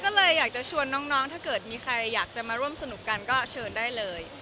ก็เลยอยากจะชวนน้องถ้าเกิดมีใครอยากจะมาร่วมสนุกกันก็เชิญได้เลย